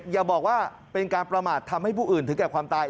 อย่าบอกว่าเป็นการประมาททำให้ผู้อื่นถึงแก่ความตาย